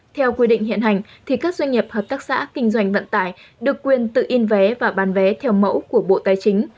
theo quy định hiện hành thì các doanh nghiệp hợp tác xã kinh doanh vận tải được quyền tự in vé và bán vé theo mẫu của bộ tài chính